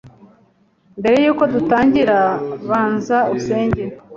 mbere yuko dutangira banza usenge.